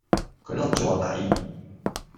佢甩左我底